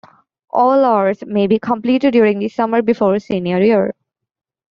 All hours may be completed during the summer before senior year.